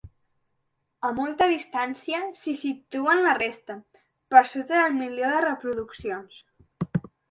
A molta distància, s’hi situen la resta, per sota del milió de reproduccions.